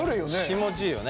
気持ちいいよね。